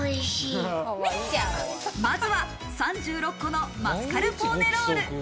まずは３６個のマスカルポーネロール。